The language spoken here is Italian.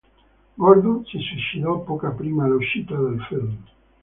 Gordon si suicidò poco prima l'uscita del film.